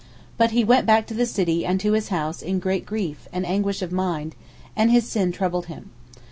But he went back to the city and to his house in great grief and anguish of mind, and his sin troubled him.